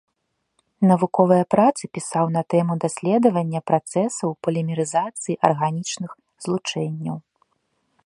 Навуковыя працы пісаў на тэму даследавання працэсаў полімерызацыі арганічных злучэнняў.